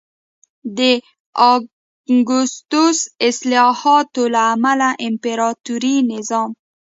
د اګوستوس اصلاحاتو له امله امپراتوري نظام